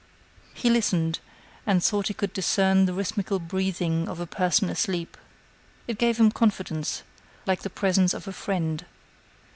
He listened, and thought he could discern the rhythmical breathing of a person asleep. It gave him confidence, like the presence of a friend.